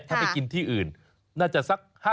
ถ้าไปกินที่อื่นน่าจะสัก๕๐